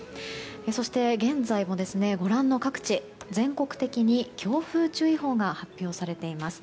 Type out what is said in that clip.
そして、現在もご覧の各地全国的に強風注意報が発表されています。